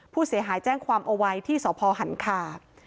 ผู้เสียหายแจ้งความเอาไว้ที่สพหันคา